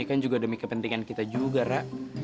ini kan juga demi kepentingan kita juga rak